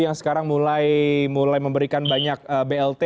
yang sekarang mulai memberikan banyak blt